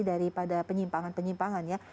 daripada penyimpangan penyimpangan ya